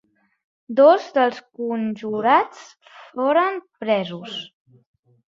Dos dels conjurats foren presos.